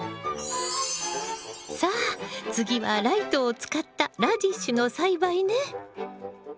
さあ次はライトを使ったラディッシュの栽培ね。